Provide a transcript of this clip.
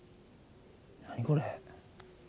何これ。